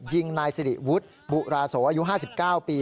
ยิงนายสิริวุฒิบุราโสอายุ๕๙ปี